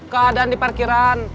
keadaan di parkiran